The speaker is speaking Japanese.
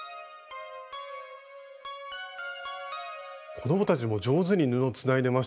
子どもたちも上手に布をつないでましたし。